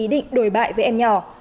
định đổi bại với em nhỏ